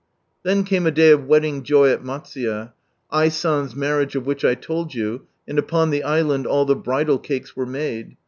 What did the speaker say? " Then came a day of wedding joy at Matsuye, I. San's marriage of which I told you, and upon the island all the bridal cakes were made.